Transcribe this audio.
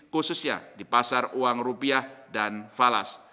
khususnya di pasar uang rupiah dan falas